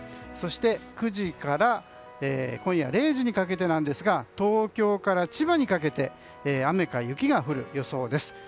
そして、９時から今夜０時にかけてなんですが東京から千葉にかけて雨か雪が降る予想です。